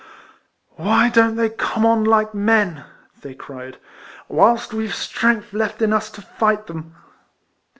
" AVhy don't they come on like men," they cried, " whilst we 've strength left in us to fight them?"